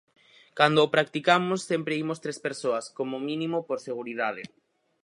Cando o practicamos sempre imos tres persoas, como mínimo, por seguridade.